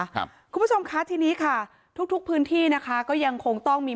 คุณผู้ชมคะทีนี้ค่ะทุกทุกพื้นที่นะคะก็ยังคงต้องมี